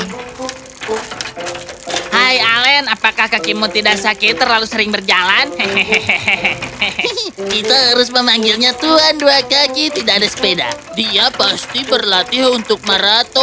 dua kaki tanpa sepeda